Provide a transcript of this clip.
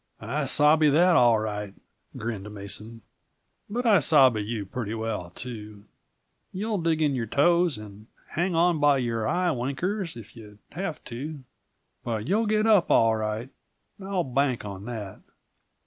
"I sabe that, all right," grinned Mason. "But I sabe you pretty well, too. You'll dig in your toes and hang on by your eye winkers if you have to. But you'll get up, all right; I'll bank on that.